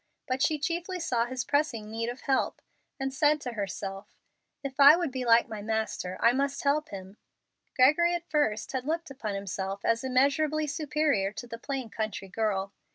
But she chiefly saw his pressing need of help, and said to herself, "If I would be like my Master, I must help him." Gregory at first had looked upon himself as immeasurably superior to the plain country girl.